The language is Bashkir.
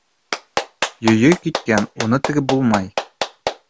Йөйө киткән. Уны тегеп буламы?